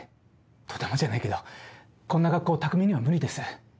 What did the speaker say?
とてもじゃないけどこんな学校匠には無理です。